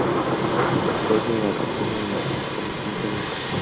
Carece de cúpula y por lo tanto de crucero.